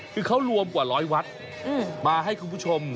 คือเขารวมกว่าร้อยวัดมาให้คุณผู้ชม